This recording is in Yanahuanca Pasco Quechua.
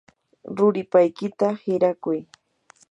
ruripaykita hirakuy.